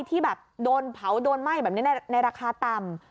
ที่แบบโดนเผาโดนไหม้แบบนี้ในราคาต่ำ